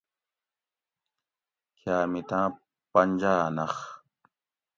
کھیامتاۤں پنجاۤ نۤخ